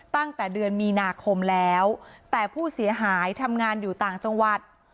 ตั้งแต่เดือนมีนาคมแล้วแต่ผู้เสียหายทำงานอยู่ต่างจังหวัด